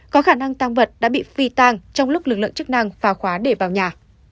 có khả năng tăng vật đã bị phi tang trong lúc lực lượng chức năng phá khóa để vào nhà